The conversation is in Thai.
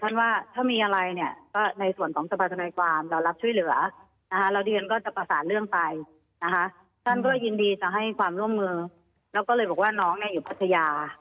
นะคะแล้วก็เลยบอกท่านว่าถ้ามีอะไรเนี่ย